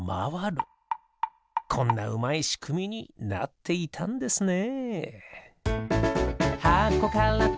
こんなうまいしくみになっていたんですね。